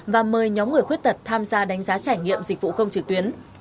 và mời nhóm người khuyết tật tham gia đánh giá trải nghiệm dịch vụ công trực tuyến